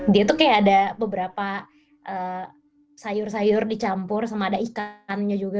dia tuh kayak ada beberapa sayur sayur dicampur sama ada ikannya juga